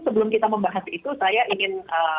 sebelum kita membahas itu saya ingin